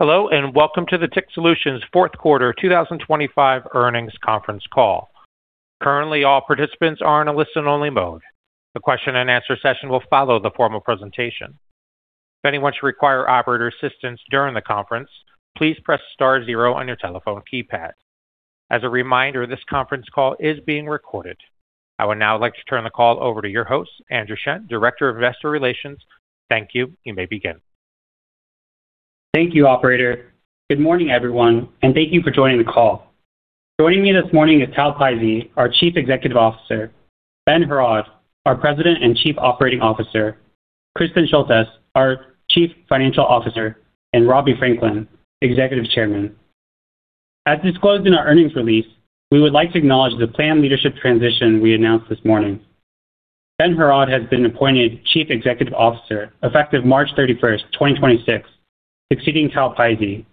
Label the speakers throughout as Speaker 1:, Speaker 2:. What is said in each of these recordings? Speaker 1: Hello, and welcome to the TIC Solutions fourth quarter 2025 earnings conference call. Currently, all participants are in a listen-only mode. The question-and-answer session will follow the formal presentation. If anyone should require operator assistance during the conference, please press star zero on your telephone keypad. As a reminder, this conference call is being recorded. I would now like to turn the call over to your host, Andrew Shen, Director of Investor Relations. Thank you. You may begin.
Speaker 2: Thank you, operator. Good morning, everyone, and thank you for joining the call. Joining me this morning is Tal Pizzey, our Chief Executive Officer, Ben Heraud, our President and Chief Operating Officer, Kristin Schultes, our Chief Financial Officer, and Robbie Franklin, Executive Chairman. As disclosed in our earnings release, we would like to acknowledge the planned leadership transition we announced this morning. Ben Heraud has been appointed Chief Executive Officer effective March 31st, 2026, succeeding Tal Pizzey.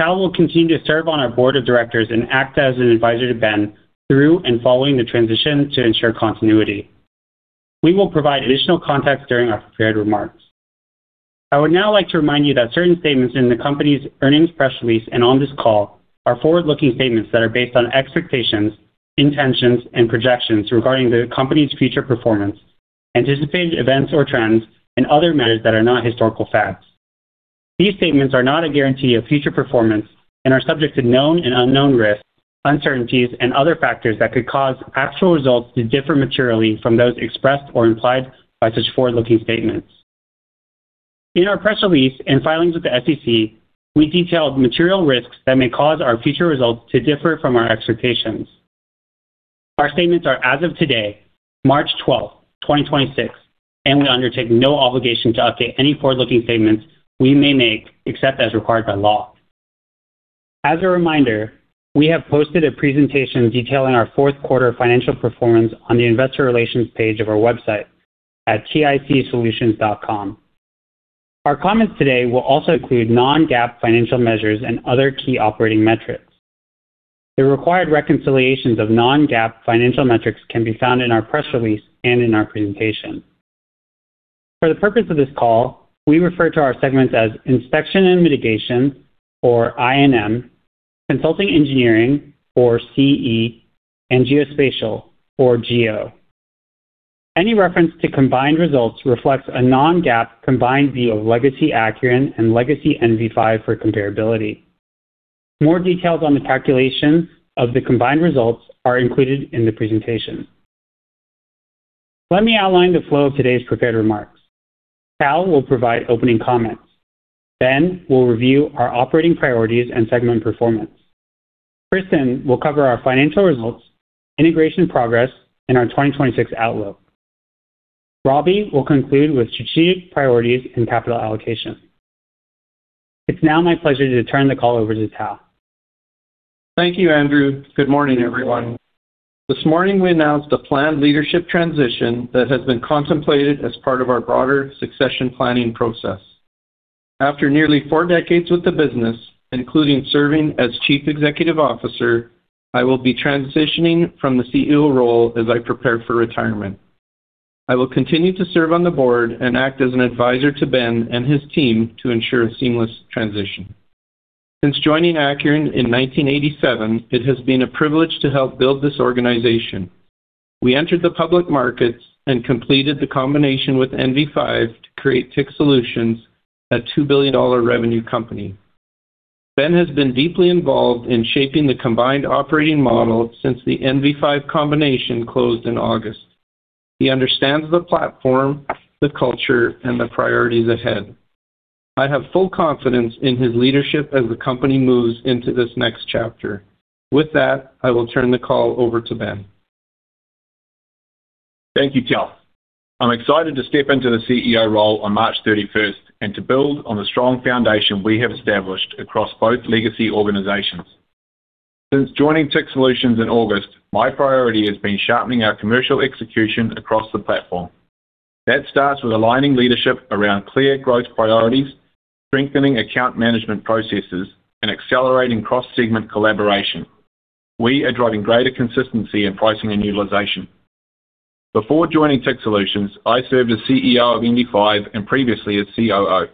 Speaker 2: Tal will continue to serve on our board of directors and act as an advisor to Ben through and following the transition to ensure continuity. We will provide additional context during our prepared remarks. I would now like to remind you that certain statements in the company's earnings press release and on this call are forward-looking statements that are based on expectations, intentions, and projections regarding the company's future performance, anticipated events or trends, and other measures that are not historical facts. These statements are not a guarantee of future performance and are subject to known and unknown risks, uncertainties, and other factors that could cause actual results to differ materially from those expressed or implied by such forward-looking statements. In our press release and filings with the SEC, we detailed material risks that may cause our future results to differ from our expectations. Our statements are as of today, March 12th, 2026, and we undertake no obligation to update any forward-looking statements we may make except as required by law. As a reminder, we have posted a presentation detailing our fourth quarter financial performance on the investor relations page of our website at ticsolutions.com. Our comments today will also include non-GAAP financial measures and other key operating metrics. The required reconciliations of non-GAAP financial metrics can be found in our press release and in our presentation. For the purpose of this call, we refer to our segments as Inspection and Mitigation, or I&M, Consulting Engineering, or CE, and Geospatial, or Geo. Any reference to combined results reflects a non-GAAP combined view of legacy Acuren and legacy NV5 for comparability. More details on the calculation of the combined results are included in the presentation. Let me outline the flow of today's prepared remarks. Tal will provide opening comments. Ben will review our operating priorities and segment performance. Kristen will cover our financial results, integration progress, and our 2026 outlook. Robbie will conclude with strategic priorities and capital allocation. It's now my pleasure to turn the call over to Tal.
Speaker 3: Thank you, Andrew. Good morning, everyone. This morning, we announced a planned leadership transition that has been contemplated as part of our broader succession planning process. After nearly four decades with the business, including serving as Chief Executive Officer, I will be transitioning from the CEO role as I prepare for retirement. I will continue to serve on the board and act as an advisor to Ben and his team to ensure a seamless transition. Since joining Acuren in 1987, it has been a privilege to help build this organization. We entered the public markets and completed the combination with NV5 to create TIC Solutions, a $2 billion revenue company. Ben has been deeply involved in shaping the combined operating model since the NV5 combination closed in August. He understands the platform, the culture, and the priorities ahead I have full confidence in his leadership as the company moves into this next chapter. With that, I will turn the call over to Ben.
Speaker 4: Thank you, Tal. I'm excited to step into the CEO role on March 31st and to build on the strong foundation we have established across both legacy organizations. Since joining TIC Solutions in August, my priority has been sharpening our commercial execution across the platform. That starts with aligning leadership around clear growth priorities, strengthening account management processes, and accelerating cross-segment collaboration. We are driving greater consistency in pricing and utilization. Before joining TIC Solutions, I served as CEO of NV5 and previously as COO.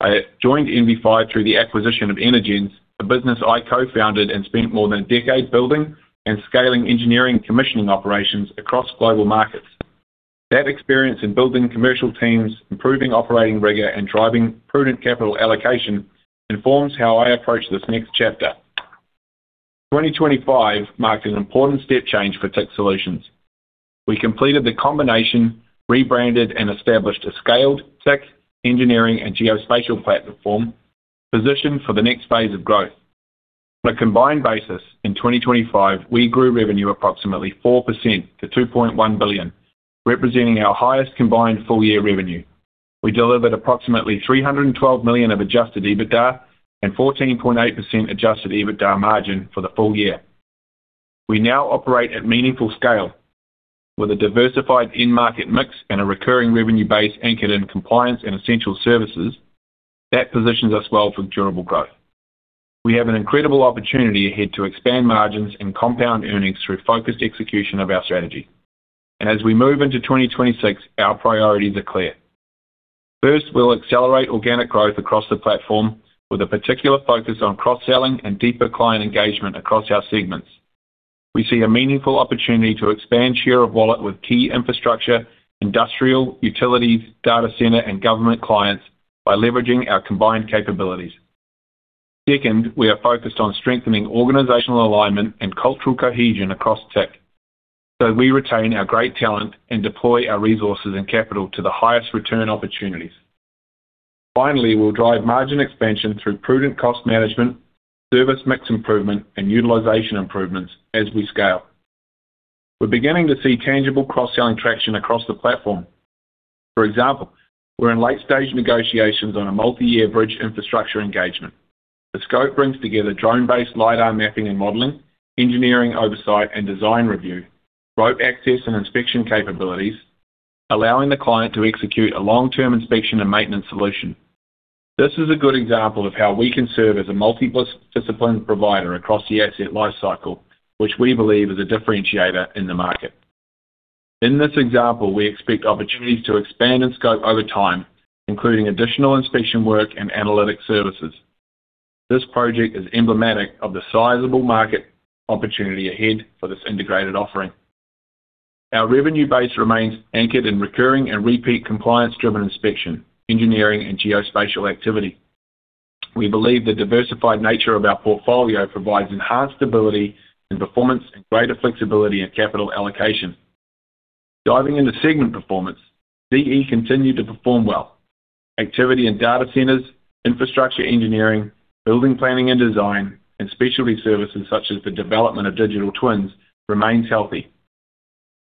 Speaker 4: I joined NV5 through the acquisition of Energenz, a business I co-founded and spent more than a decade building and scaling engineering commissioning operations across global markets. That experience in building commercial teams, improving operating rigor, and driving prudent capital allocation informs how I approach this next chapter. 2025 marked an important step change for TIC Solutions. We completed the combination, rebranded, and established a scaled TIC engineering and geospatial platform positioned for the next phase of growth. On a combined basis in 2025, we grew revenue approximately 4% to $2.1 billion, representing our highest combined full-year revenue. We delivered approximately $312 million of adjusted EBITDA and 14.8% adjusted EBITDA margin for the full year. We now operate at meaningful scale with a diversified end market mix and a recurring revenue base anchored in compliance and essential services that positions us well for durable growth. We have an incredible opportunity ahead to expand margins and compound earnings through focused execution of our strategy. As we move into 2026, our priorities are clear. First, we'll accelerate organic growth across the platform with a particular focus on cross-selling and deeper client engagement across our segments. We see a meaningful opportunity to expand share of wallet with key infrastructure, industrial, utilities, data center, and government clients by leveraging our combined capabilities. Second, we are focused on strengthening organizational alignment and cultural cohesion across tech. We retain our great talent and deploy our resources and capital to the highest return opportunities. Finally, we'll drive margin expansion through prudent cost management, service mix improvement, and utilization improvements as we scale. We're beginning to see tangible cross-selling traction across the platform. For example, we're in late-stage negotiations on a multi-year bridge infrastructure engagement. The scope brings together drone-based LiDAR mapping and modeling, engineering oversight and design review, rope access and inspection capabilities, allowing the client to execute a long-term inspection and maintenance solution. This is a good example of how we can serve as a multi-disciplinary provider across the asset lifecycle, which we believe is a differentiator in the market. In this example, we expect opportunities to expand in scope over time, including additional inspection work and analytic services. This project is emblematic of the sizable market opportunity ahead for this integrated offering. Our revenue base remains anchored in recurring and repeat compliance-driven inspection, engineering, and geospatial activity. We believe the diversified nature of our portfolio provides enhanced ability and performance and greater flexibility in capital allocation. Diving into segment performance, CE continued to perform well. Activity in data centers, infrastructure engineering, building planning and design, and specialty services such as the development of digital twins remains healthy.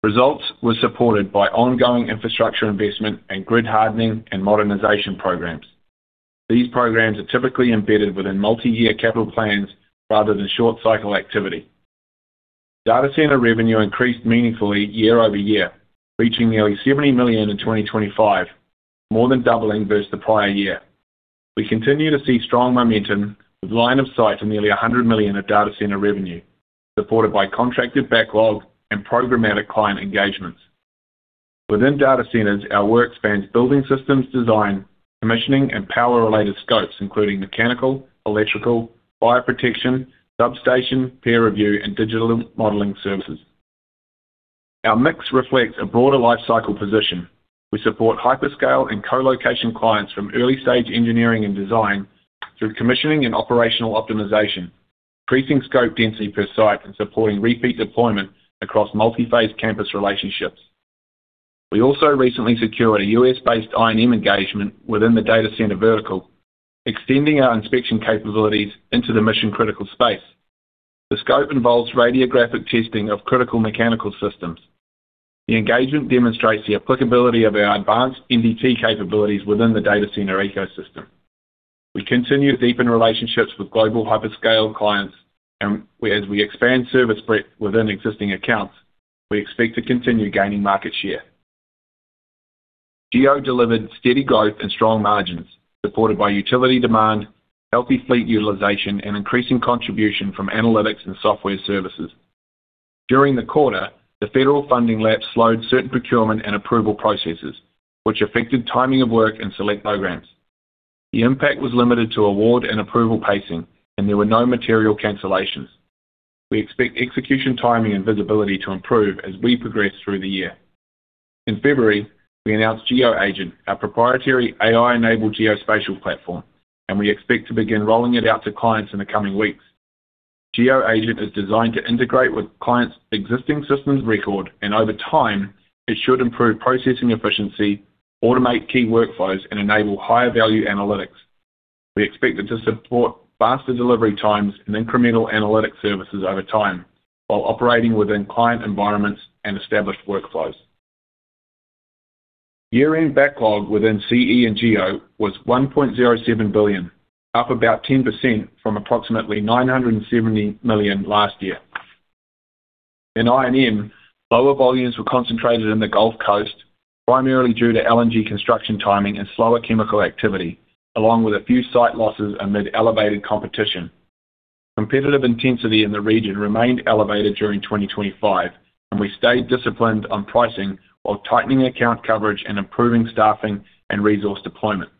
Speaker 4: Results were supported by ongoing infrastructure investment and grid hardening and modernization programs. These programs are typically embedded within multi-year capital plans rather than short cycle activity. Data center revenue increased meaningfully year-over-year, reaching nearly $70 million in 2025, more than doubling versus the prior year. We continue to see strong momentum with line of sight to nearly $100 million of data center revenue, supported by contracted backlog and programmatic client engagements. Within data centers, our work spans building systems design, commissioning and power-related scopes, including mechanical, electrical, fire protection, substation, peer review, and digital modeling services. Our mix reflects a broader life cycle position. We support hyperscale and co-location clients from early-stage engineering and design through commissioning and operational optimization, increasing scope density per site and supporting repeat deployment across multi-phase campus relationships. We also recently secured a U.S.-based I&M engagement within the data center vertical, extending our inspection capabilities into the mission-critical space. The scope involves radiographic testing of critical mechanical systems. The engagement demonstrates the applicability of our advanced NDT capabilities within the data center ecosystem. We continue to deepen relationships with global hyperscale clients. We, as we expand service breadth within existing accounts, we expect to continue gaining market share. Geo delivered steady growth and strong margins, supported by utility demand, healthy fleet utilization, and increasing contribution from analytics and software services. During the quarter, the federal funding lapse slowed certain procurement and approval processes, which affected timing of work and select programs. The impact was limited to award and approval pacing, and there were no material cancellations. We expect execution timing and visibility to improve as we progress through the year. In February, we announced GeoAgent, our proprietary AI-enabled geospatial platform, and we expect to begin rolling it out to clients in the coming weeks. GeoAgent is designed to integrate with clients' existing systems record, and over time, it should improve processing efficiency, automate key workflows, and enable higher value analytics. We expect it to support faster delivery times and incremental analytics services over time while operating within client environments and established workflows. Year-end backlog within CE and Geo was $1.07 billion, up about 10% from approximately $970 million last year. In I&M, lower volumes were concentrated in the Gulf Coast, primarily due to LNG construction timing and slower chemical activity, along with a few site losses amid elevated competition. Competitive intensity in the region remained elevated during 2025, and we stayed disciplined on pricing while tightening account coverage and improving staffing and resource deployment.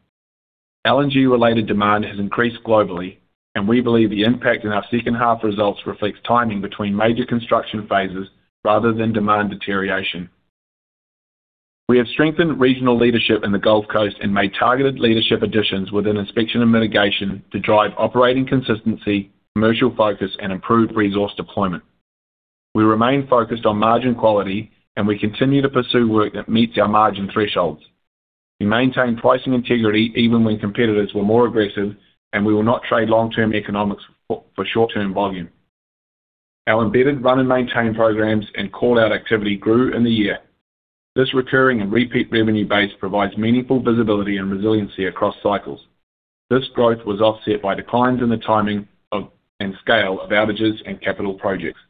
Speaker 4: LNG-related demand has increased globally, and we believe the impact in our second half results reflects timing between major construction phases rather than demand deterioration. We have strengthened regional leadership in the Gulf Coast and made targeted leadership additions within Inspection & Mitigation to drive operating consistency, commercial focus, and improved resource deployment. We remain focused on margin quality, and we continue to pursue work that meets our margin thresholds. We maintain pricing integrity even when competitors were more aggressive, and we will not trade long-term economics for short-term volume. Our embedded run and maintain programs and call-out activity grew in the year. This recurring and repeat revenue base provides meaningful visibility and resiliency across cycles. This growth was offset by declines in the timing of and scale of outages and capital projects.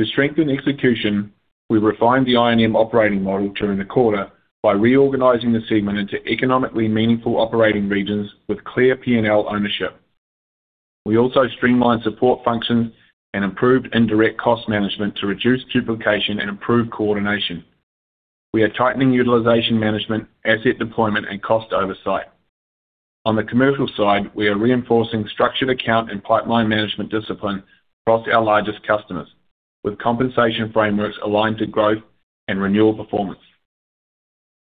Speaker 4: To strengthen execution, we refined the I&M operating model during the quarter by reorganizing the segment into economically meaningful operating regions with clear P&L ownership. We also streamlined support functions and improved indirect cost management to reduce duplication and improve coordination. We are tightening utilization management, asset deployment, and cost oversight. On the commercial side, we are reinforcing structured account and pipeline management discipline across our largest customers, with compensation frameworks aligned to growth and renewal performance.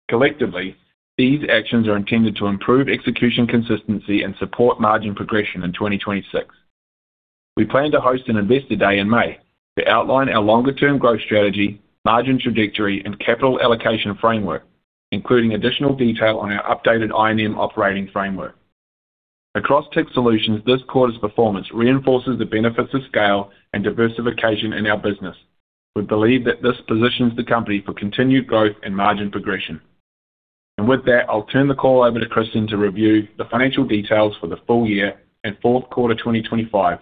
Speaker 4: Collectively, these actions are intended to improve execution consistency and support margin progression in 2026. We plan to host an Investor Day in May to outline our longer-term growth strategy, margin trajectory, and capital allocation framework, including additional detail on our updated I&M operating framework. Across tech solutions, this quarter's performance reinforces the benefits of scale and diversification in our business. We believe that this positions the company for continued growth and margin progression. With that, I'll turn the call over to Kristin to review the financial details for the full year and fourth quarter 2025,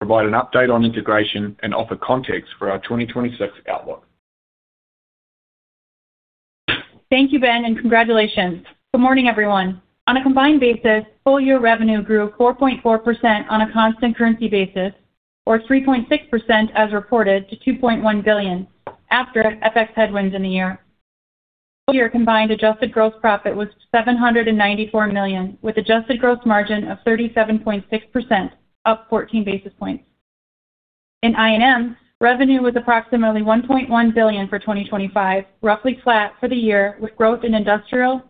Speaker 4: provide an update on integration, and offer context for our 2026 outlook.
Speaker 5: Thank you, Ben, and congratulations. Good morning, everyone. On a combined basis, full-year revenue grew 4.4% on a constant currency basis or 3.6% as reported to $2.1 billion after FX headwinds in the year. Full-year combined adjusted gross profit was $794 million, with adjusted gross margin of 37.6%, up 14 basis points. In I&M, revenue was approximately $1.1 billion for 2025, roughly flat for the year, with growth in industrial,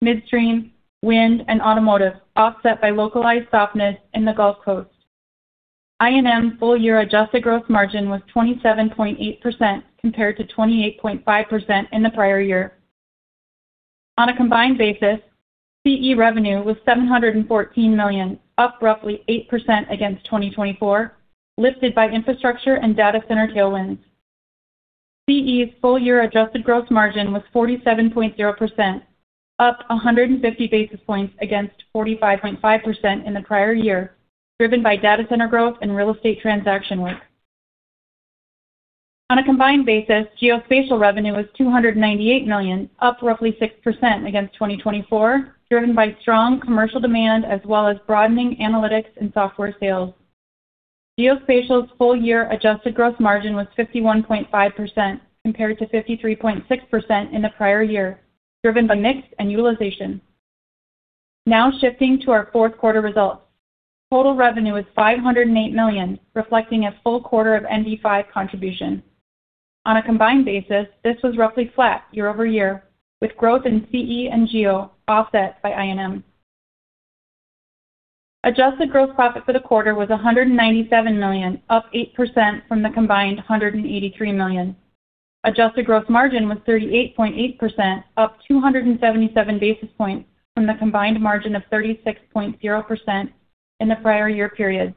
Speaker 5: midstream, wind, and automotive offset by localized softness in the Gulf Coast. I&M full-year adjusted gross margin was 27.8% compared to 28.5% in the prior year. On a combined basis, CE revenue was $714 million, up roughly 8% against 2024, lifted by infrastructure and data center tailwinds. CE's full-year adjusted gross margin was 47.0%, up 150 basis points against 45.5% in the prior year, driven by data center growth and real estate transaction work. On a combined basis, geospatial revenue was $298 million, up roughly 6% against 2024, driven by strong commercial demand as well as broadening analytics and software sales. Geospatial's full-year adjusted gross margin was 51.5% compared to 53.6% in the prior year, driven by mix and utilization. Now shifting to our fourth quarter results. Total revenue was $508 million, reflecting a full quarter of NV5 contribution. On a combined basis, this was roughly flat year-over-year, with growth in CE and Geo offset by I&M. Adjusted gross profit for the quarter was $197 million, up 8% from the combined $183 million. Adjusted gross margin was 38.8%, up 277 basis points from the combined margin of 36.0% in the prior year period.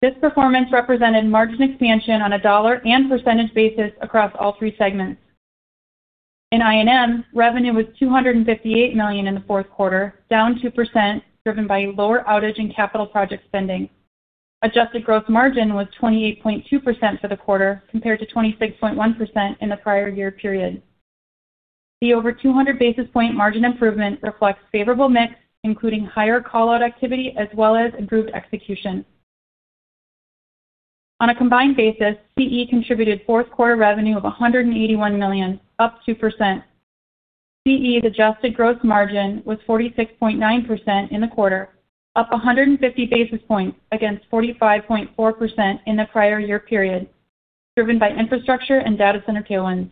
Speaker 5: This performance represented margin expansion on a dollar and percentage basis across all three segments. In I&M, revenue was $258 million in the fourth quarter, down 2%, driven by lower outage and capital project spending. Adjusted gross margin was 28.2% for the quarter compared to 26.1% in the prior year period. The over 200 basis point margin improvement reflects favorable mix, including higher call-out activity as well as improved execution. On a combined basis, CE contributed fourth quarter revenue of $181 million, up 2%. CE's adjusted gross margin was 46.9% in the quarter, up 150 basis points against 45.4% in the prior year period, driven by infrastructure and data center tailwinds.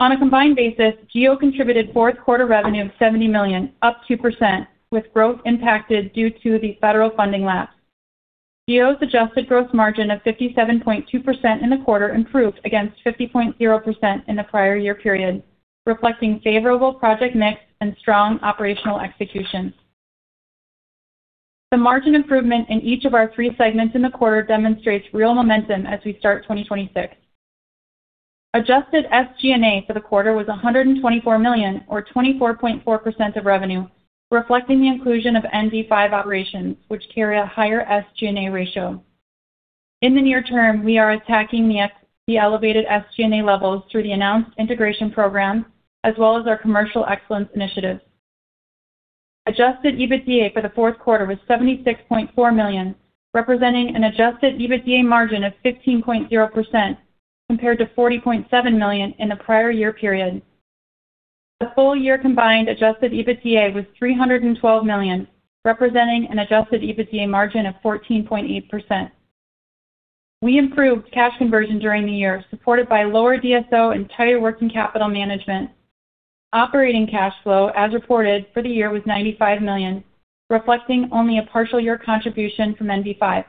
Speaker 5: On a combined basis, Geo contributed fourth quarter revenue of $70 million, up 2%, with growth impacted due to the federal funding lapse. Geo's adjusted gross margin of 57.2% in the quarter improved against 50.0% in the prior year period, reflecting favorable project mix and strong operational execution. The margin improvement in each of our three segments in the quarter demonstrates real momentum as we start 2026. Adjusted SG&A for the quarter was $124 million or 24.4% of revenue, reflecting the inclusion of NV5 operations, which carry a higher SG&A ratio. In the near term, we are attacking the elevated SG&A levels through the announced integration program as well as our commercial excellence initiatives. Adjusted EBITDA for the fourth quarter was $76.4 million, representing an adjusted EBITDA margin of 15.0% compared to $40.7 million in the prior year period. The full year combined adjusted EBITDA was $312 million, representing an adjusted EBITDA margin of 14.8%. We improved cash conversion during the year, supported by lower DSO and tighter working capital management. Operating cash flow, as reported for the year, was $95 million, reflecting only a partial year contribution from NV5.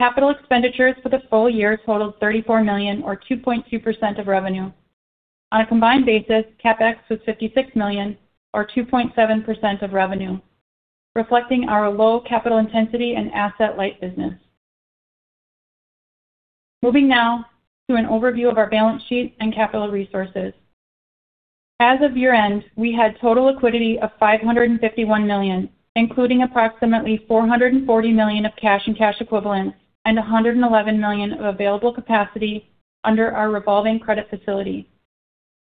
Speaker 5: Capital expenditures for the full year totaled $34 million or 2.2% of revenue. On a combined basis, CapEx was $56 million or 2.7% of revenue, reflecting our low capital intensity and asset-light business. Moving now to an overview of our balance sheet and capital resources. As of year-end, we had total liquidity of $551 million, including approximately $440 million of cash and cash equivalents and $111 million of available capacity under our revolving credit facility.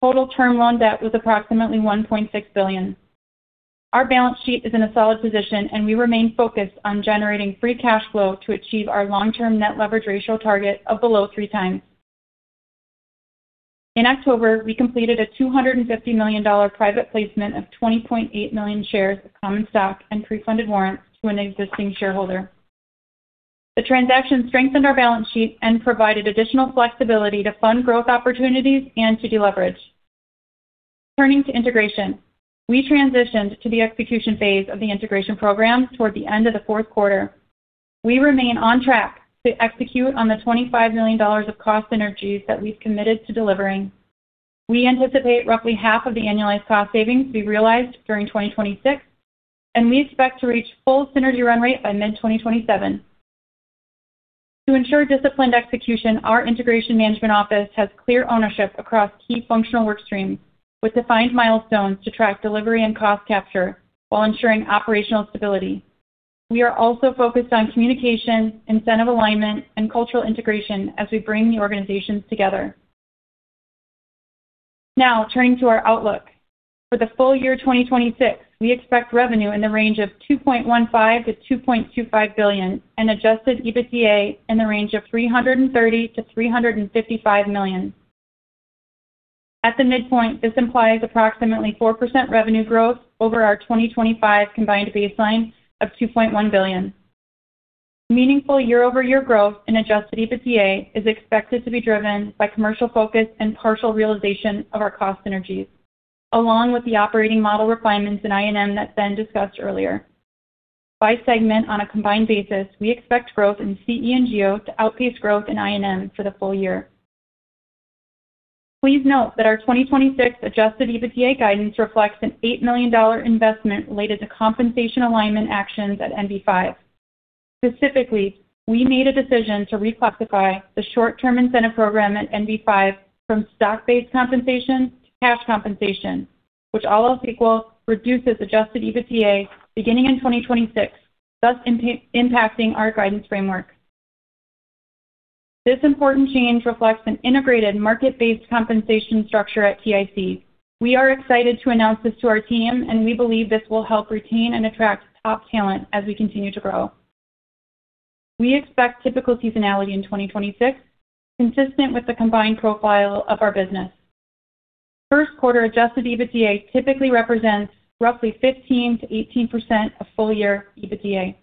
Speaker 5: Total term loan debt was approximately $1.6 billion. Our balance sheet is in a solid position and we remain focused on generating free cash flow to achieve our long-term net leverage ratio target of below three times. In October, we completed a $250 million private placement of 20 million shares of common stock and pre-funded warrants to an existing shareholder. The transaction strengthened our balance sheet and provided additional flexibility to fund growth opportunities and to deleverage. Turning to integration, we transitioned to the execution phase of the integration program toward the end of the fourth quarter. We remain on track to execute on the $25 million of cost synergies that we've committed to delivering. We anticipate roughly half of the annualized cost savings to be realized during 2026, and we expect to reach full synergy run rate by mid-2027. To ensure disciplined execution, our integration management office has clear ownership across key functional work streams with defined milestones to track delivery and cost capture while ensuring operational stability. We are also focused on communication, incentive alignment, and cultural integration as we bring the organizations together. Now turning to our outlook. For the full year 2026, we expect revenue in the range of $2.15 billion-$2.25 billion and adjusted EBITDA in the range of $330 million-$355 million. At the midpoint, this implies approximately 4% revenue growth over our 2025 combined baseline of $2.1 billion. Meaningful year-over-year growth in adjusted EBITDA is expected to be driven by commercial focus and partial realization of our cost synergies, along with the operating model refinements in I&M that Ben discussed earlier. By segment on a combined basis, we expect growth in CE & Geo to outpace growth in I&M for the full year. Please note that our 2026 adjusted EBITDA guidance reflects an $8 million investment related to compensation alignment actions at NV5. Specifically, we made a decision to reclassify the short-term incentive program at NV5 from stock-based compensation to cash compensation, which all else equal, reduces adjusted EBITDA beginning in 2026, thus impacting our guidance framework. This important change reflects an integrated market-based compensation structure at TIC. We are excited to announce this to our team, and we believe this will help retain and attract top talent as we continue to grow. We expect typical seasonality in 2026, consistent with the combined profile of our business. First quarter adjusted EBITDA typically represents roughly 15%-18% of full-year EBITDA.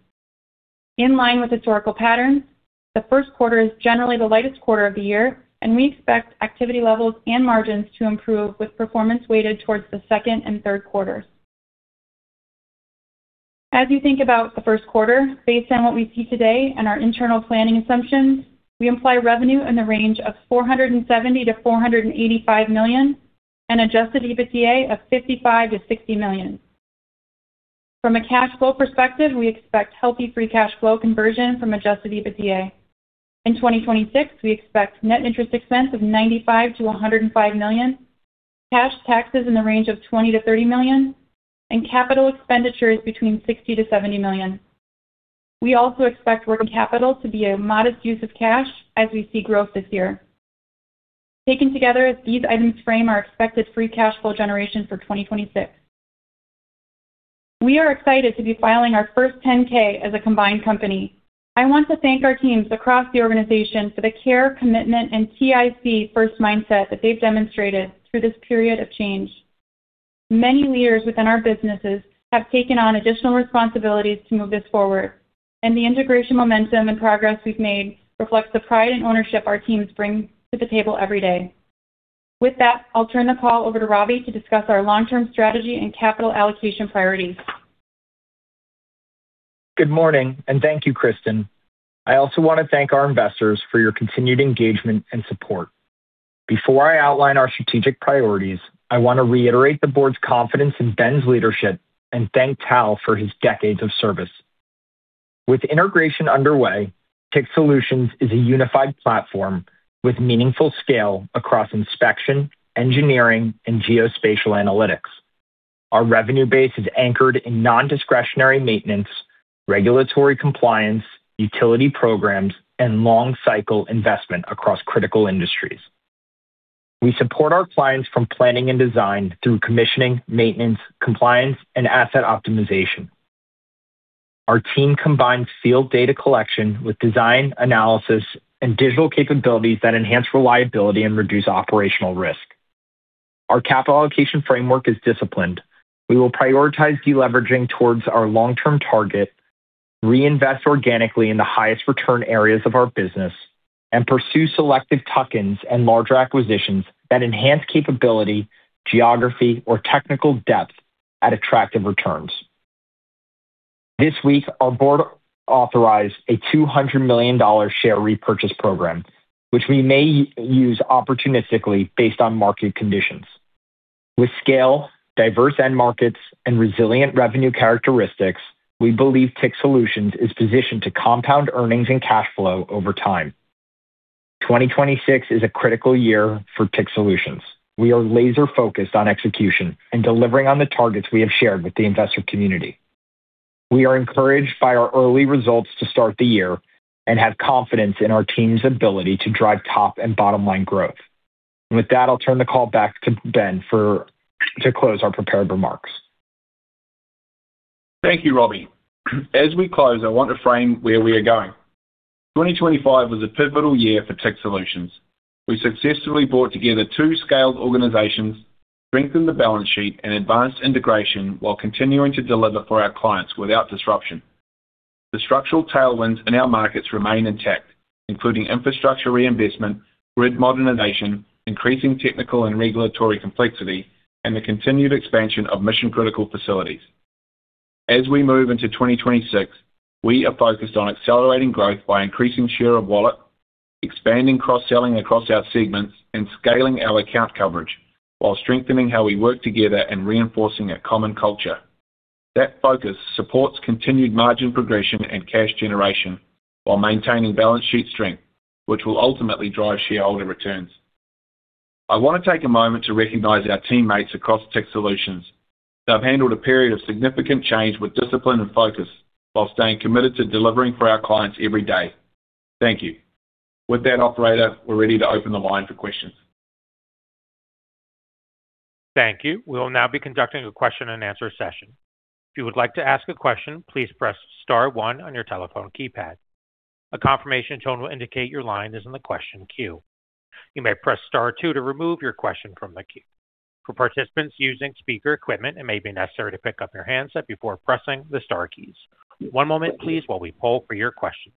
Speaker 5: In line with historical patterns, the first quarter is generally the lightest quarter of the year, and we expect activity levels and margins to improve with performance weighted towards the second and third quarters. As you think about the first quarter, based on what we see today and our internal planning assumptions, we imply revenue in the range of $470 million-$485 million and adjusted EBITDA of $55 million-$60 million. From a cash flow perspective, we expect healthy free cash flow conversion from adjusted EBITDA. In 2026, we expect net interest expense of $95 million-$105 million, cash taxes in the range of $20 million-$30 million, and capital expenditures between $60 million-$70 million. We also expect working capital to be a modest use of cash as we see growth this year. Taken together, these items frame our expected free cash flow generation for 2026. We are excited to be filing our first 10-K as a combined company. I want to thank our teams across the organization for the care, commitment and TIC-first mindset that they've demonstrated through this period of change. Many leaders within our businesses have taken on additional responsibilities to move this forward, and the integration momentum and progress we've made reflects the pride and ownership our teams bring to the table every day. With that, I'll turn the call over to Robbie to discuss our long-term strategy and capital allocation priorities.
Speaker 6: Good morning, and thank you, Kristen. I also want to thank our investors for your continued engagement and support. Before I outline our strategic priorities, I want to reiterate the board's confidence in Ben's leadership and thank Tal for his decades of service. With integration underway, TIC Solutions is a unified platform with meaningful scale across inspection, engineering, and geospatial analytics. Our revenue base is anchored in non-discretionary maintenance, regulatory compliance, utility programs, and long-cycle investment across critical industries. We support our clients from planning and design through commissioning, maintenance, compliance, and asset optimization. Our team combines field data collection with design analysis and digital capabilities that enhance reliability and reduce operational risk. Our capital allocation framework is disciplined. We will prioritize deleveraging towards our long-term target, reinvest organically in the highest return areas of our business, and pursue selective tuck-ins and larger acquisitions that enhance capability, geography, or technical depth at attractive returns. This week, our board authorized a $200 million share repurchase program, which we may use opportunistically based on market conditions. With scale, diverse end markets, and resilient revenue characteristics, we believe TIC Solutions is positioned to compound earnings and cash flow over time. 2026 is a critical year for TIC Solutions. We are laser-focused on execution and delivering on the targets we have shared with the investor community. We are encouraged by our early results to start the year and have confidence in our team's ability to drive top and bottom-line growth. With that, I'll turn the call back to Ben to close our prepared remarks.
Speaker 4: Thank you, Robbie. As we close, I want to frame where we are going. 2025 was a pivotal year for TIC Solutions. We successfully brought together two scaled organizations, strengthened the balance sheet, and advanced integration while continuing to deliver for our clients without disruption. The structural tailwinds in our markets remain intact, including infrastructure reinvestment, grid modernization, increasing technical and regulatory complexity, and the continued expansion of mission-critical facilities. As we move into 2026, we are focused on accelerating growth by increasing share of wallet, expanding cross-selling across our segments, and scaling our account coverage while strengthening how we work together and reinforcing a common culture. That focus supports continued margin progression and cash generation while maintaining balance sheet strength, which will ultimately drive shareholder returns. I want to take a moment to recognize our teammates across TIC Solutions. They've handled a period of significant change with discipline and focus while staying committed to delivering for our clients every day. Thank you. With that operator, we're ready to open the line for questions.
Speaker 1: Thank you. We will now be conducting a question-and-answer session. If you would like to ask a question, please press star one on your telephone keypad. A confirmation tone will indicate your line is in the question queue. You may press star two to remove your question from the queue. For participants using speaker equipment, it may be necessary to pick up your handset before pressing the star keys. One moment, please, while we poll for your questions.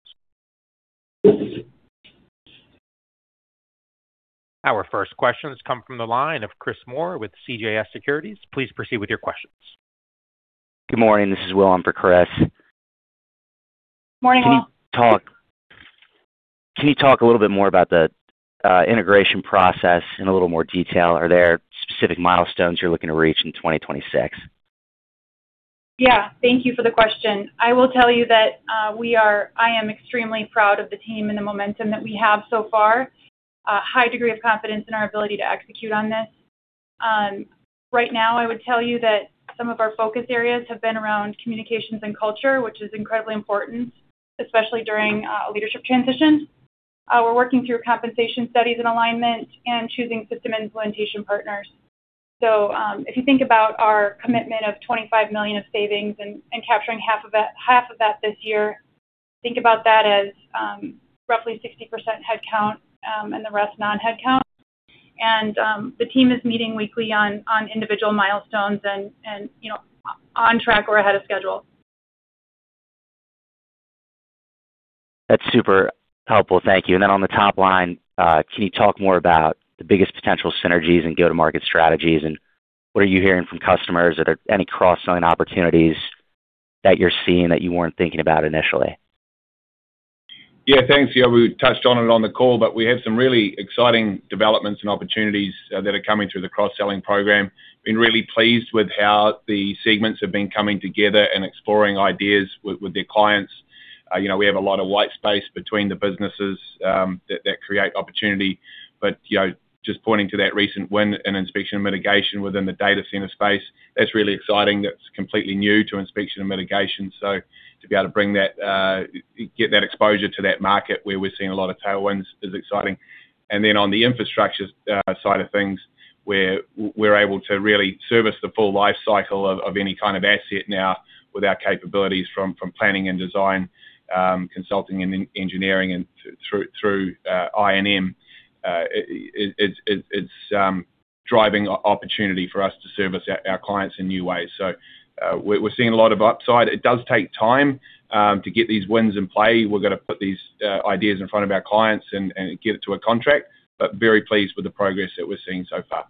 Speaker 1: Our first question has come from the line of Chris Moore with CJS Securities. Please proceed with your questions.
Speaker 7: Good morning. This is Will in for Chris.
Speaker 5: Morning, Will.
Speaker 7: Can you talk a little bit more about the integration process in a little more detail? Are there specific milestones you're looking to reach in 2026?
Speaker 5: Yeah. Thank you for the question. I will tell you that I am extremely proud of the team and the momentum that we have so far. A high degree of confidence in our ability to execute on this. Right now, I would tell you that some of our focus areas have been around communications and culture, which is incredibly important, especially during a leadership transition. We're working through compensation studies and alignment and choosing system implementation partners. If you think about our commitment of $25 million of savings and capturing half of that this year, think about that as roughly 60% headcount and the rest non-headcount. The team is meeting weekly on individual milestones and, you know, on track or ahead of schedule.
Speaker 7: That's super helpful. Thank you. On the top line, can you talk more about the biggest potential synergies and go-to-market strategies, and what are you hearing from customers? Are there any cross-selling opportunities that you're seeing that you weren't thinking about initially?
Speaker 4: Yeah, thanks. Yeah, we touched on it on the call, but we have some really exciting developments and opportunities that are coming through the cross-selling program. Been really pleased with how the segments have been coming together and exploring ideas with their clients. You know, we have a lot of white space between the businesses that create opportunity. You know, just pointing to that recent win in Inspection & Mitigation within the data center space, that's really exciting. That's completely new to Inspection & Mitigation. To be able to bring that, get that exposure to that market where we're seeing a lot of tailwinds is exciting. On the infrastructure side of things, where we're able to really service the full life cycle of any kind of asset now with our capabilities from planning and design, consulting and engineering and through I&M, it's driving opportunity for us to service our clients in new ways. We're seeing a lot of upside. It does take time to get these wins in play. We've got to put these ideas in front of our clients and get it to a contract. Very pleased with the progress that we're seeing so far.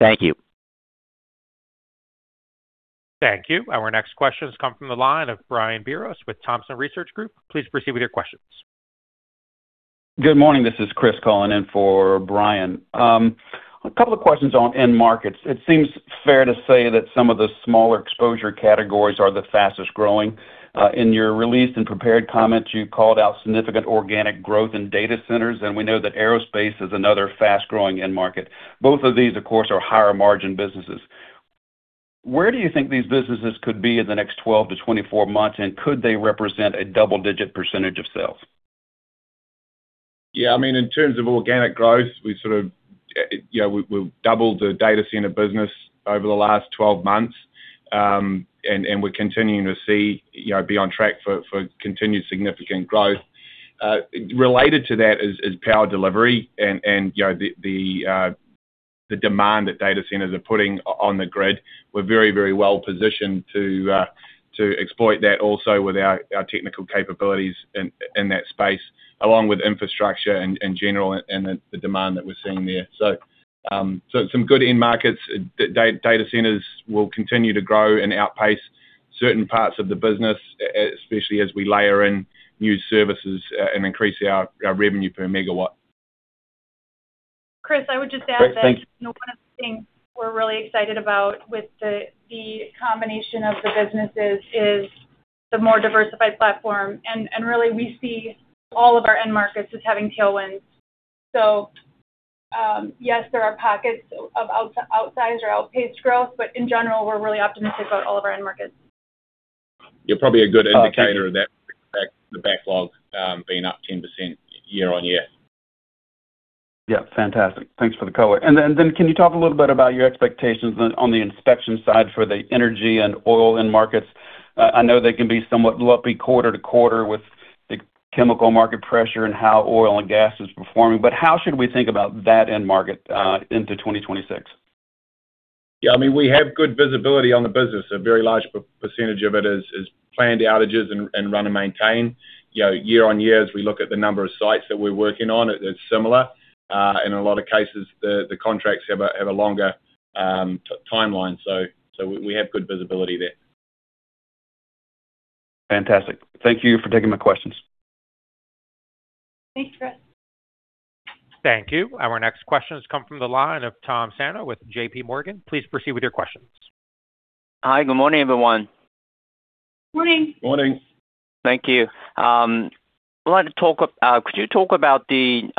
Speaker 7: Thank you.
Speaker 1: Thank you. Our next question has come from the line of Brian Biros with Thompson Research Group. Please proceed with your questions.
Speaker 8: Good morning. This is Chris calling in for Brian. A couple of questions on end markets. It seems fair to say that some of the smaller exposure categories are the fastest-growing. In your release and prepared comments, you called out significant organic growth in data centers, and we know that aerospace is another fast-growing end market. Both of these, of course, are higher margin businesses. Where do you think these businesses could be in the next 12-24 months, and could they represent a double-digit percentage of sales?
Speaker 4: Yeah. I mean, in terms of organic growth, we sort of, you know, we've doubled the data center business over the last 12 months. We're continuing to see, you know, be on track for continued significant growth. Related to that is power delivery and, you know, the demand that data centers are putting on the grid. We're very well positioned to exploit that also with our technical capabilities in that space, along with infrastructure in general and the demand that we're seeing there. Some good end markets. Data centers will continue to grow and outpace certain parts of the business, especially as we layer in new services and increase our revenue per megawatt.
Speaker 5: Chris, I would just add that. You know, one of the things we're really excited about with the combination of the businesses is the more diversified platform. Really, we see all of our end markets as having tailwinds. Yes, there are pockets of outsized or outpaced growth, but in general, we're really optimistic about all of our end markets.
Speaker 4: Yeah, probably a good indicator of that, the backlog being up 10% year-over-year.
Speaker 8: Yeah. Fantastic. Thanks for the color. Can you talk a little bit about your expectations on the inspection side for the energy and oil end markets? I know they can be somewhat lumpy quarter to quarter with the chemical market pressure and how oil and gas is performing, but how should we think about that end market into 2026?
Speaker 4: Yeah. I mean, we have good visibility on the business. A very large percentage of it is planned outages and run and maintain. You know, year on year, as we look at the number of sites that we're working on, it is similar. In a lot of cases, the contracts have a longer timeline. So we have good visibility there.
Speaker 8: Fantastic. Thank you for taking my questions.
Speaker 5: Thanks, Chris.
Speaker 1: Thank you. Our next question has come from the line of Tomohiko Sano with JPMorgan. Please proceed with your questions.
Speaker 9: Hi. Good morning, everyone.
Speaker 5: Morning.
Speaker 4: Morning.
Speaker 9: Thank you. Could you talk about the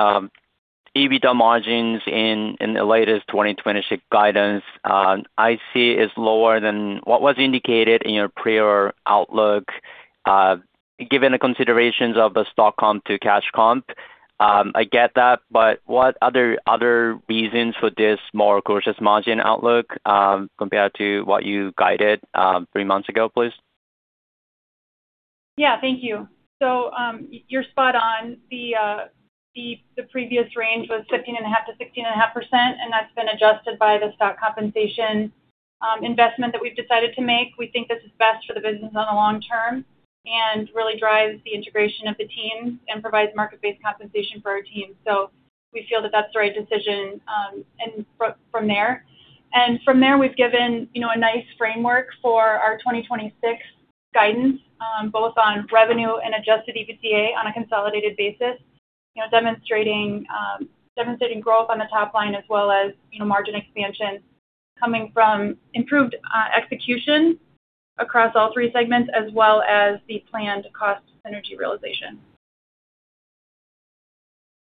Speaker 9: EBITDA margins in the latest 2026 guidance? I see it's lower than what was indicated in your prior outlook. Given the considerations of the stock comp to cash comp, I get that, but what other reasons for this more cautious margin outlook compared to what you guided three months ago, please?
Speaker 5: Yeah. Thank you. You're spot on. The previous range was 15.5%-16.5%, and that's been adjusted by the stock compensation investment that we've decided to make. We think this is best for the business on the long term and really drives the integration of the teams and provides market-based compensation for our teams. We feel that that's the right decision, and from there. From there, we've given, you know, a nice framework for our 2026 guidance, both on revenue and adjusted EBITDA on a consolidated basis. You know, demonstrating growth on the top line as well as, you know, margin expansion coming from improved execution across all three segments as well as the planned cost synergy realization.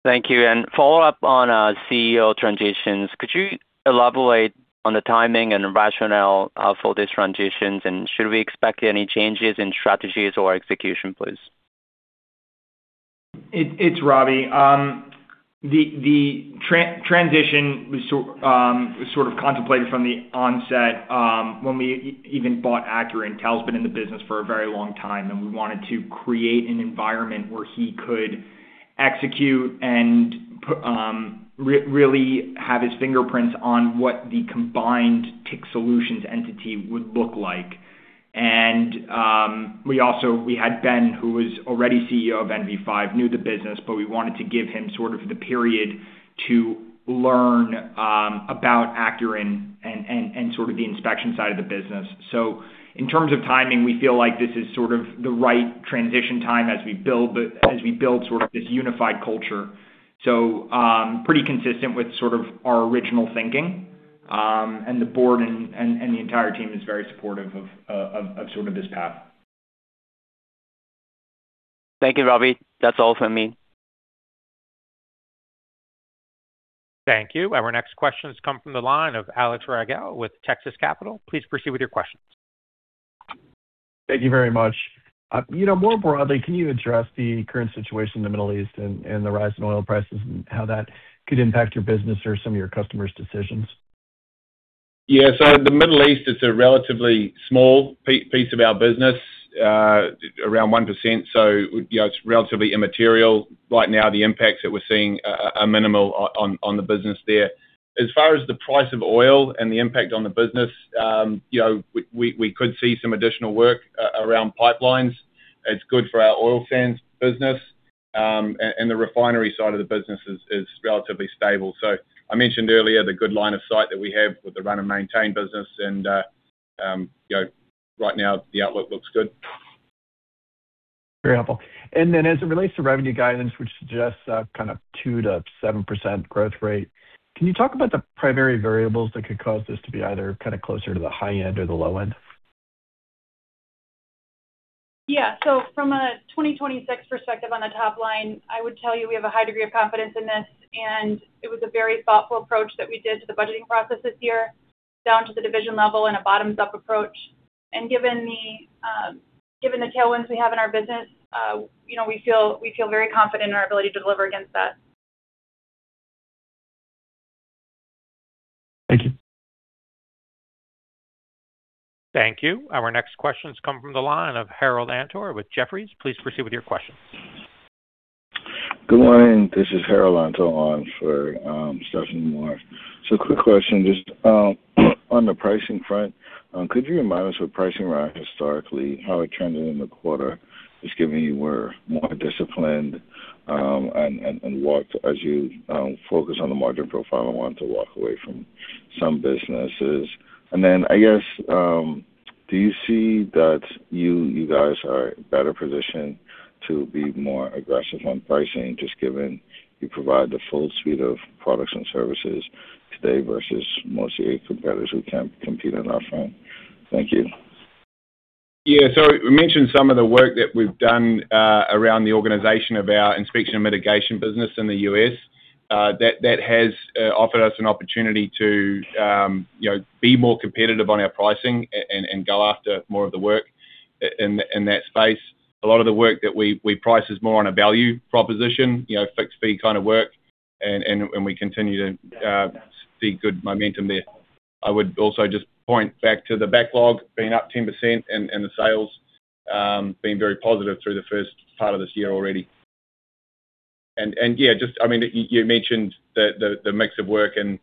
Speaker 9: Thank you. Follow up on CEO transitions. Could you elaborate on the timing and rationale for these transitions? Should we expect any changes in strategies or execution, please?
Speaker 6: It's Robbie. The transition was so sort of contemplated from the onset, when we even bought Acuren. Tal's been in the business for a very long time, and we wanted to create an environment where he could execute and put really have his fingerprints on what the combined TIC Solutions entity would look like. We also had Ben, who was already CEO of NV5, knew the business, but we wanted to give him sort of the period to learn about Acuren and sort of the inspection side of the business. In terms of timing, we feel like this is sort of the right transition time as we build sort of this unified culture. Pretty consistent with sort of our original thinking, and the board and the entire team is very supportive of sort of this path.
Speaker 9: Thank you, Robbie. That's all from me.
Speaker 1: Thank you. Our next question has come from the line of Alex Rygiel with Texas Capital. Please proceed with your questions.
Speaker 10: Thank you very much. You know, more broadly, can you address the current situation in the Middle East and the rise in oil prices and how that could impact your business or some of your customers' decisions?
Speaker 4: Yeah. The Middle East is a relatively small piece of our business, around 1%. You know, it's relatively immaterial. Right now, the impacts that we're seeing are minimal on the business there. As far as the price of oil and the impact on the business, you know, we could see some additional work around pipelines. It's good for our oil sands business, and the refinery side of the business is relatively stable. I mentioned earlier the good line of sight that we have with the run and maintain business and, you know, right now the outlook looks good.
Speaker 10: Very helpful. As it relates to revenue guidance, which suggests a kind of 2%-7% growth rate, can you talk about the primary variables that could cause this to be either kind of closer to the high end or the low end?
Speaker 5: Yeah. From a 2026 perspective on the top line, I would tell you we have a high degree of confidence in this, and it was a very thoughtful approach that we did to the budgeting process this year, down to the division level and a bottoms-up approach. Given the tailwinds we have in our business, you know, we feel very confident in our ability to deliver against that.
Speaker 10: Thank you.
Speaker 1: Thank you. Our next question has come from the line of Harold Antor with Jefferies. Please proceed with your questions.
Speaker 11: Good morning. This is Harold Antor on for Stephanie Moore. Quick question, just on the pricing front, could you remind us what pricing ran historically, how it trended in the quarter, just given you were more disciplined, and what, as you focus on the margin profile and want to walk away from some businesses? I guess, do you see that you guys are better positioned to be more aggressive on pricing just given you provide the full suite of products and services today versus most of your competitors who can't compete on that front? Thank you.
Speaker 4: Yeah. We mentioned some of the work that we've done around the organization of our inspection and mitigation business in the U.S. That has offered us an opportunity to, you know, be more competitive on our pricing and go after more of the work in that space. A lot of the work that we price is more on a value proposition, you know, fixed fee kind of work, and we continue to see good momentum there. I would also just point back to the backlog being up 10% and the sales being very positive through the first part of this year already. Yeah, just, I mean, you mentioned the mix of work and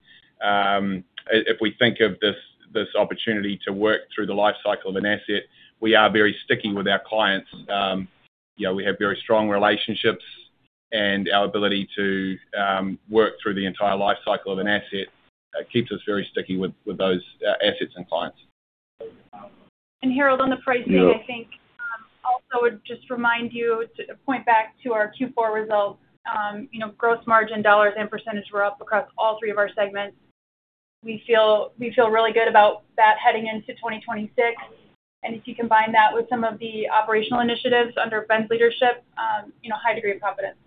Speaker 4: if we think of this opportunity to work through the life cycle of an asset, we are very sticky with our clients. You know, we have very strong relationships, and our ability to work through the entire life cycle of an asset keeps us very sticky with those assets and clients.
Speaker 5: Harold, on the pricing. I think also would just remind you to point back to our Q4 results. You know, gross margin dollars and percentage were up across all three of our segments. We feel really good about that heading into 2026. If you combine that with some of the operational initiatives under Ben's leadership, you know, high degree of confidence.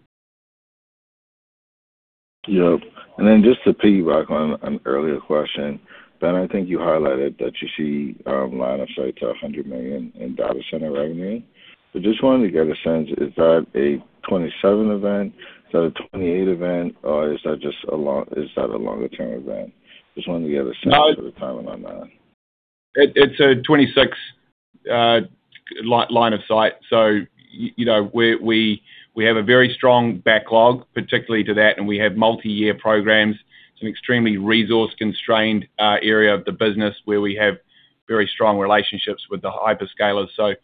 Speaker 11: Yep. Then just to piggyback on an earlier question. Ben, I think you highlighted that you see line of sight to $100 million in data center revenue. Just wanted to get a sense, is that a 2027 event? Is that a 2028 event, or is that a longer term event? Just wanted to get a sense of the timing on that.
Speaker 4: It's a 2026 line of sight. You know, we have a very strong backlog particularly to that, and we have multi-year programs. It's an extremely resource-constrained area of the business where we have very strong relationships with the hyperscalers. You know,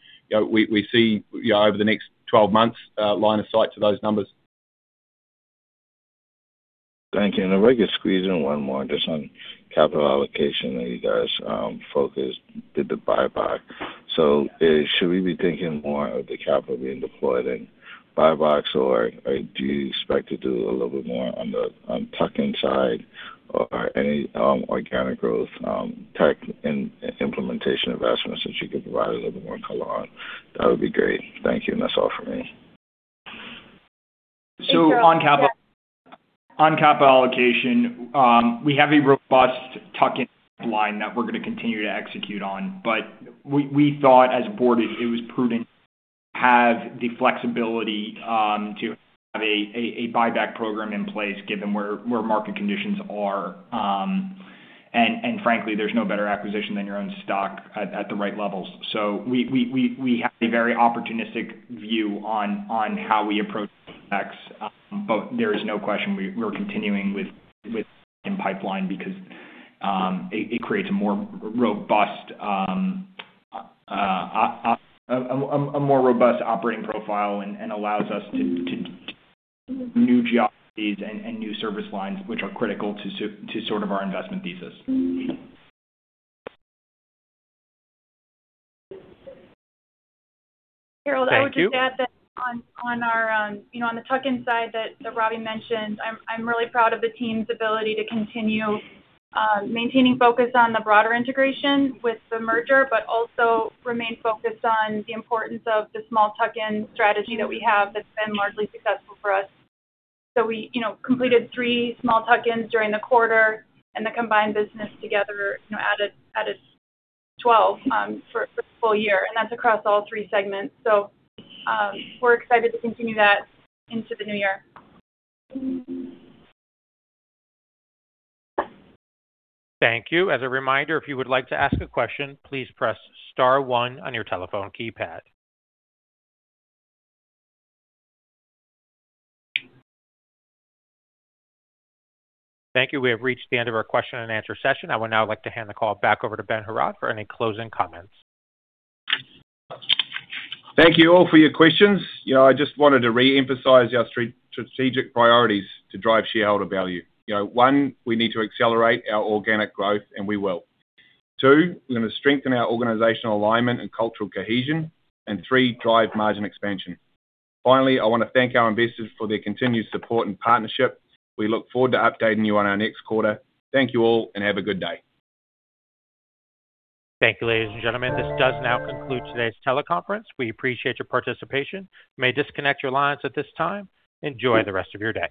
Speaker 4: we see, you know, over the next 12 months, line of sight to those numbers.
Speaker 11: Thank you. If I could squeeze in one more just on capital allocation that you guys focused, did the buyback. Should we be thinking more of the capital being deployed in buybacks or do you expect to do a little bit more on the, on tuck-in side or any organic growth, tech implementation investments that you could provide a little bit more color on? That would be great. Thank you. That's all for me.
Speaker 6: On capital allocation, we have a robust tuck-in pipeline that we're gonna continue to execute on. We thought as a board it was prudent to have the flexibility to have a buyback program in place given where market conditions are. Frankly, there's no better acquisition than your own stock at the right levels. We have a very opportunistic view on how we approach M&A. There is no question we're continuing with pipeline because it creates a more robust operating profile and allows us to new geographies and new service lines which are critical to sort of our investment thesis.
Speaker 5: Harold-
Speaker 1: Thank you-
Speaker 5: I would just add that on our, you know, on the tuck-in side that Robbie mentioned, I'm really proud of the team's ability to continue maintaining focus on the broader integration with the merger, but also remain focused on the importance of the small tuck-in strategy that we have that's been largely successful for us. We, you know, completed three small tuck-ins during the quarter and the combined business together, you know, added 12 for the full year, and that's across all three segments. We're excited to continue that into the new year
Speaker 1: Thank you. As a reminder, if you would like to ask a question, please press star one on your telephone keypad. Thank you. We have reached the end of our question and answer session. I would now like to hand the call back over to Ben Heraud for any closing comments.
Speaker 4: Thank you all for your questions. You know, I just wanted to reemphasize our strategic priorities to drive shareholder value. You know, one, we need to accelerate our organic growth, and we will. Two, we're gonna strengthen our organizational alignment and cultural cohesion. Three, drive margin expansion. Finally, I wanna thank our investors for their continued support and partnership. We look forward to updating you on our next quarter. Thank you all, and have a good day.
Speaker 1: Thank you, ladies and gentlemen. This does now conclude today's teleconference. We appreciate your participation. You may disconnect your lines at this time. Enjoy the rest of your day.